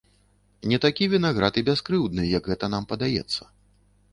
Не такі вінаград і бяскрыўдны, як гэта нам падаецца.